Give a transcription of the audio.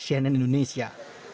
agus wimansyah cnn indonesia